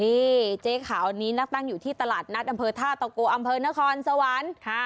นี่เจ๊ขาวนี้นะตั้งอยู่ที่ตลาดนัดอำเภอท่าตะโกอำเภอนครสวรรค์